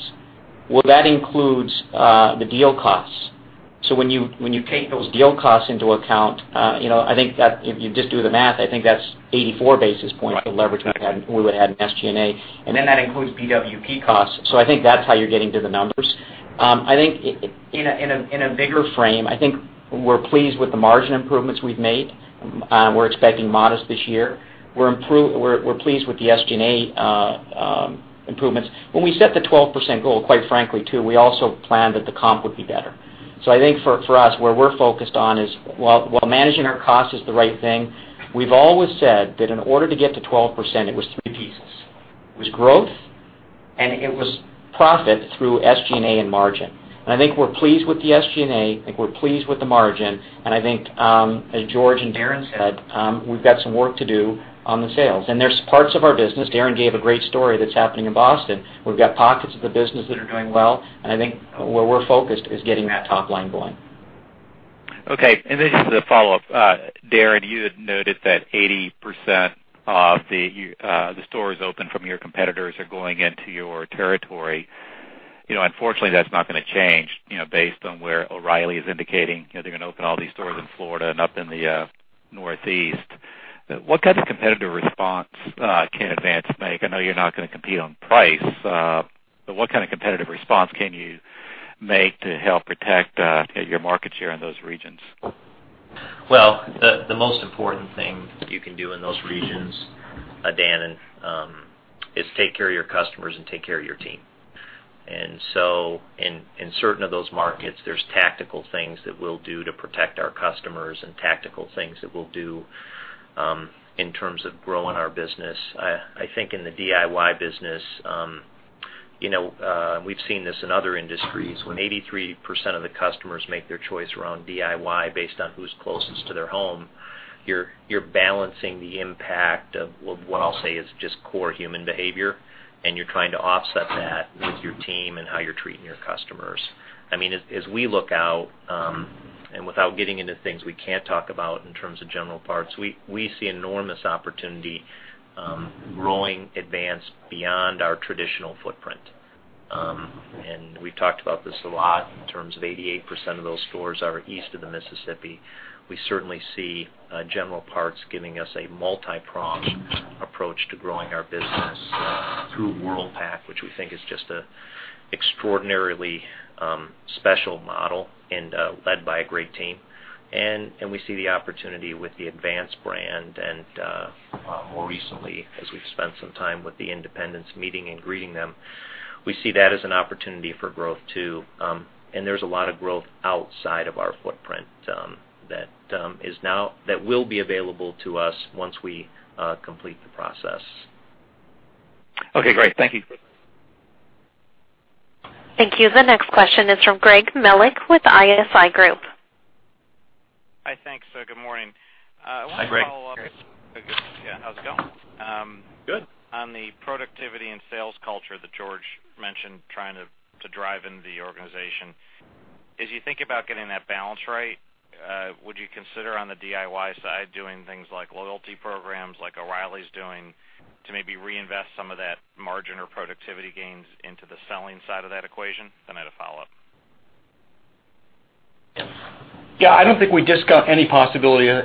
Well, that includes the deal costs. When you take those deal costs into account, I think that if you just do the math, I think that's 84 basis points. Right of leverage we would have had in SG&A. That includes BWP costs. I think that's how you're getting to the numbers. In a bigger frame, I think we're pleased with the margin improvements we've made. We're expecting modest this year. We're pleased with the SG&A improvements. When we set the 12% goal, quite frankly, too, we also planned that the comp would be better. I think for us, where we're focused on is, while managing our cost is the right thing, we've always said that in order to get to 12%, it was three pieces. It was growth, and it was profit through SG&A and margin. I think we're pleased with the SG&A, I think we're pleased with the margin, and I think, as George and Darren said, we've got some work to do on the sales. There's parts of our business, Darren gave a great story that's happening in Boston. We've got pockets of the business that are doing well, and I think where we're focused is getting that top line going. Okay. This is a follow-up. Darren, you had noted that 80% of the stores open from your competitors are going into your territory. Unfortunately, that's not going to change, based on where O'Reilly is indicating. They're going to open all these stores in Florida and up in the Northeast. What kind of competitive response can Advance make? I know you're not going to compete on price. What kind of competitive response can you make to help protect your market share in those regions? Well, the most important thing you can do in those regions, Dan, is take care of your customers and take care of your team. In certain of those markets, there's tactical things that we'll do to protect our customers and tactical things that we'll do in terms of growing our business. I think in the DIY business, we've seen this in other industries. When 83% of the customers make their choice around DIY based on who's closest to their home, you're balancing the impact of what I'll say is just core human behavior, and you're trying to offset that with your team and how you're treating your customers. As we look out, and without getting into things we can't talk about in terms of General Parts, we see enormous opportunity growing Advance beyond our traditional footprint. We've talked about this a lot in terms of 88% of those stores are east of the Mississippi. We certainly see General Parts giving us a multi-pronged approach to growing our business through Worldpac, which we think is just an extraordinarily special model and led by a great team. We see the opportunity with the Advance brand and more recently, as we've spent some time with the independents meeting and greeting them, we see that as an opportunity for growth too. There's a lot of growth outside of our footprint that will be available to us once we complete the process. Okay, great. Thank you. Thank you. The next question is from Greg Melich with ISI Group. Hi, thanks. Good morning. Hi, Greg. How's it going? Good. On the productivity and sales culture that George mentioned, trying to drive in the organization, as you think about getting that balance right, would you consider on the DIY side doing things like loyalty programs like O'Reilly's doing to maybe reinvest some of that margin or productivity gains into the selling side of that equation? I had a follow-up. Yeah, I don't think we discount any possibilities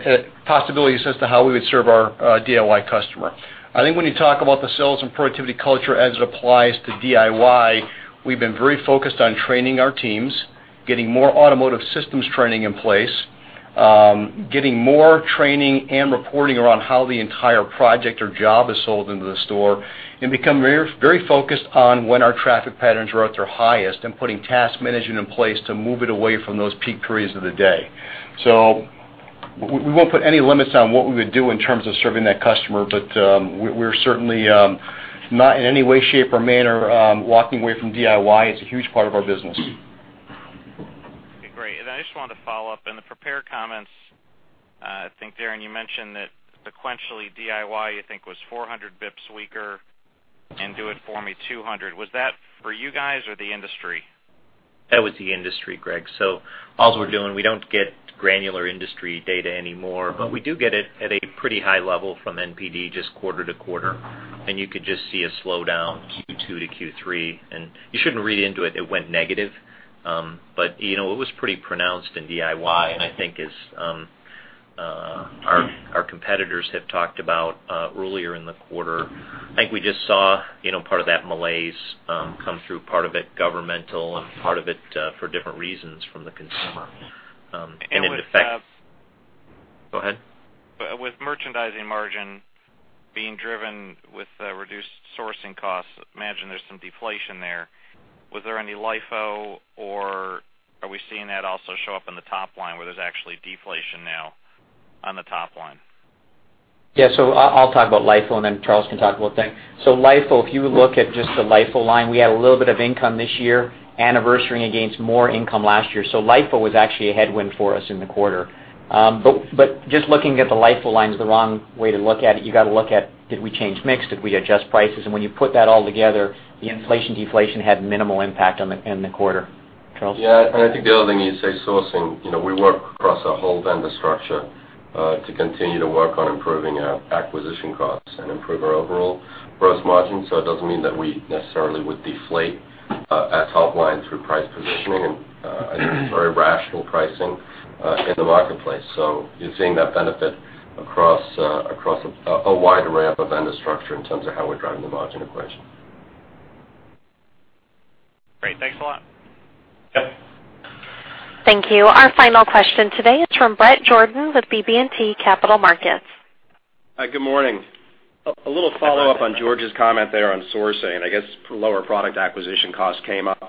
as to how we would serve our DIY customer. I think when you talk about the sales and productivity culture as it applies to DIY, we've been very focused on training our teams, getting more automotive systems training in place, getting more training and reporting around how the entire project or job is sold into the store, and become very focused on when our traffic patterns are at their highest and putting task management in place to move it away from those peak periods of the day. We won't put any limits on what we would do in terms of serving that customer, but we're certainly not in any way, shape, or manner walking away from DIY. It's a huge part of our business. Okay, great. I just wanted to follow up. In the prepared comments, I think, Darren, you mentioned that sequentially DIY you think was 400 basis points weaker and DIFM 200 basis points. Was that for you guys or the industry? That was the industry, Greg. All we're doing, we don't get granular industry data anymore, but we do get it at a pretty high level from NPD, just quarter-to-quarter. You could just see a slowdown Q2-Q3, and you shouldn't read into it. It went negative. It was pretty pronounced in DIY, and I think as our competitors have talked about earlier in the quarter, I think we just saw part of that malaise come through, part of it governmental and part of it for different reasons from the consumer. Go ahead. With merchandising margin being driven with reduced sourcing costs, I imagine there's some deflation there. Was there any LIFO or are we seeing that also show up in the top line where there's actually deflation now on the top line? Yeah. I'll talk about LIFO and then Charles can talk about the other. LIFO, if you look at just the LIFO line, we had a little bit of income this year, anniversarying against more income last year. LIFO was actually a headwind for us in the quarter. Just looking at the LIFO line is the wrong way to look at it. You got to look at, did we change mix? Did we adjust prices? When you put that all together, the inflation deflation had minimal impact in the quarter. Charles? Yeah, I think the other thing you say sourcing, we work across a whole vendor structure, to continue to work on improving our acquisition costs and improve our overall gross margin. It doesn't mean that we necessarily would deflate at top line through price positioning and very rational pricing in the marketplace. You're seeing that benefit across a wide array of a vendor structure in terms of how we're driving the margin equation. Great. Thanks a lot. Yep. Thank you. Our final question today is from Bret Jordan with BB&T Capital Markets. Hi, good morning. A little follow-up on George's comment there on sourcing. I guess lower product acquisition cost came up.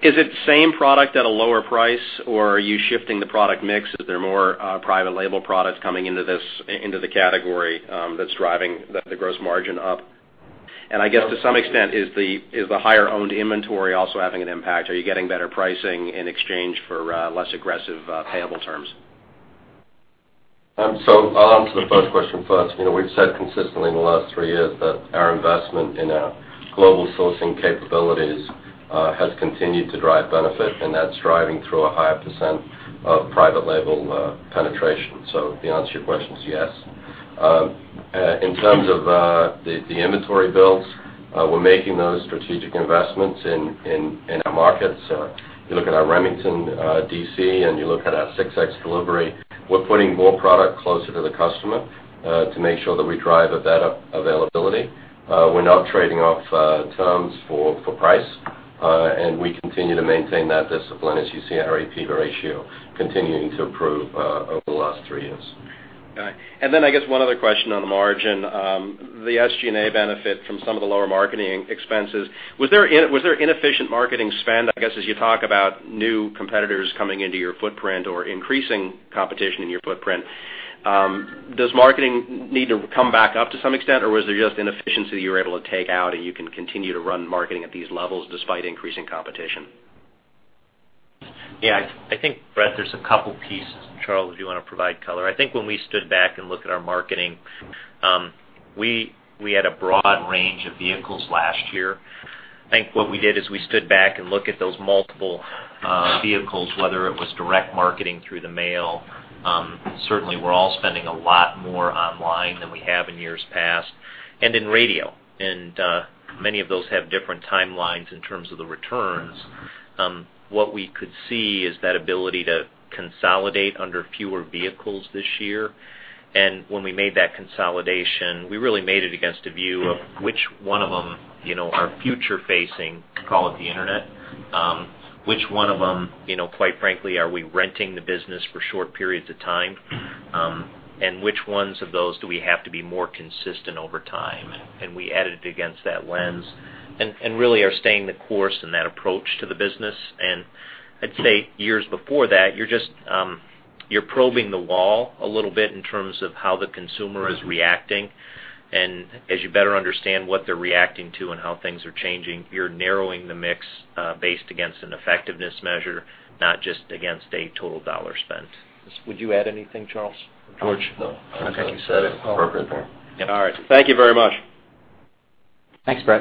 Is it the same product at a lower price, or are you shifting the product mix? Is there more private label products coming into the category that's driving the gross margin up? I guess to some extent, is the higher owned inventory also having an impact? Are you getting better pricing in exchange for less aggressive payable terms? I'll answer the first question first. We've said consistently in the last three years that our investment in our global sourcing capabilities has continued to drive benefit, and that's driving through a higher % of private label penetration. The answer to your question is yes. In terms of the inventory builds, we're making those strategic investments in our markets. You look at our Remington DC, and you look at our 6X delivery, we're putting more product closer to the customer to make sure that we drive a better availability. We're not trading off terms for price. We continue to maintain that discipline as you see in our AP ratio continuing to improve over the last three years. Got it. I guess one other question on the margin. The SG&A benefit from some of the lower marketing expenses. Was there inefficient marketing spend? I guess as you talk about new competitors coming into your footprint or increasing competition in your footprint, does marketing need to come back up to some extent, or was there just inefficiency you were able to take out and you can continue to run marketing at these levels despite increasing competition? Yeah. I think, Bret, there's a couple pieces. Charles, do you want to provide color? I think when we stood back and looked at our marketing, we had a broad range of vehicles last year. I think what we did is we stood back and looked at those multiple vehicles, whether it was direct marketing through the mail. Certainly, we're all spending a lot more online than we have in years past, and in radio. Many of those have different timelines in terms of the returns. What we could see is that ability to consolidate under fewer vehicles this year. When we made that consolidation, we really made it against a view of which one of them are future facing, call it the internet. Which one of them, quite frankly, are we renting the business for short periods of time? Which ones of those do we have to be more consistent over time? We edit it against that lens and really are staying the course in that approach to the business. I'd say years before that, you're probing the wall a little bit in terms of how the consumer is reacting. As you better understand what they're reacting to and how things are changing, you're narrowing the mix based against an effectiveness measure, not just against a total $ spent. Would you add anything, Charles? George, no. I think you said it appropriately. All right. Thank you very much. Thanks, Bret.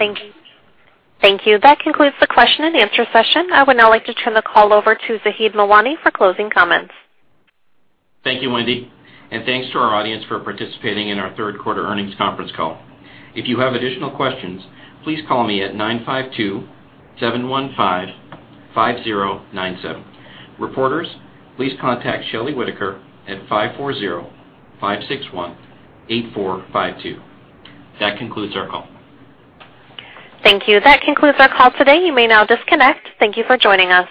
Thank you. That concludes the question and answer session. I would now like to turn the call over to Zahid Mawani for closing comments. Thank you, Wendy. Thanks to our audience for participating in our third quarter earnings conference call. If you have additional questions, please call me at 952-715-5097. Reporters, please contact Shelley Whitaker at 540-561-8452. That concludes our call. Thank you. That concludes our call today. You may now disconnect. Thank you for joining us.